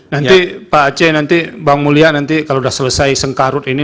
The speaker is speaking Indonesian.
nanti pak aceh nanti bang mulia nanti kalau sudah selesai sengkarut ini